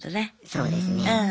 そうですね。